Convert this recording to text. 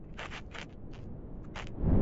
موږ خوشحالي غواړو